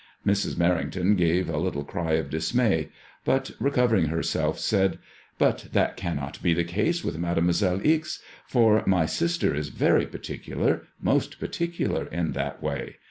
Mrs. Merrington gave a little cry of dismay; but, recovering herself, said —" But that cannot be the case with Mademoiselle Ixe, for my sister is very particular — most particular in that way.